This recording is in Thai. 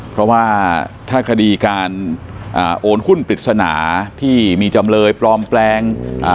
เพราะว่าถ้าคดีการอ่าโอนหุ้นปริศนาที่มีจำเลยปลอมแปลงอ่า